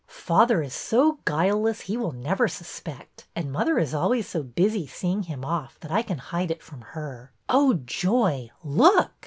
Father is so guileless he will never suspect, and mother is always so busy seeing him off that I can hide it from her. Oh, joy! Look!"